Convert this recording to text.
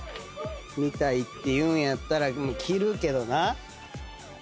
・見たいって言うんやったら着るけどな。